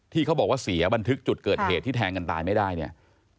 ที่เขาบอกว่าเสียบันทึกจุดเกิดเหตุที่แทงกันตายไม่ได้เนี่ย